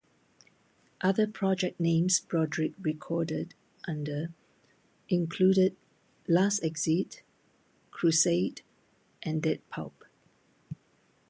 Other project names Broadrick recorded under included Last Exit, Crusade and Dead Pulp.